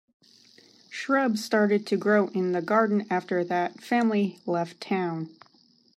Shrubs started to grow in the garden after that family left town.